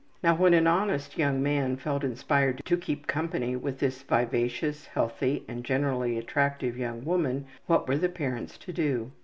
Now, when an honest young man felt inspired to keep company with this vivacious, healthy, and generally attractive young woman, what were the parents to do?